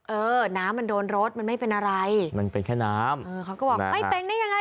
เออน้ำมันโดนรถมันไม่เป็นอะไรมันเป็นแค่น้ำเออเขาก็บอกไม่เป็นได้ยังไง